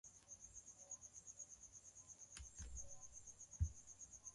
Kupitia kuumwa na mbu mwenye maambukizi binadamu hupata homa ya bonde la ufa